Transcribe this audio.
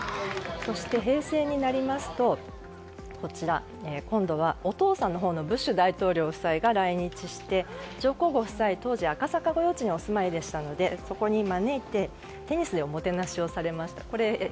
そして平成になりますと今度はお父さんのブッシュ大統領夫妻が来日して、上皇ご夫妻当時、赤坂御用地にお住まいでしたのでそこに招いてテニスでおもてなしをされました。